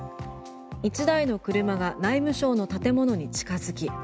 １台の車が内務省の建物に近づき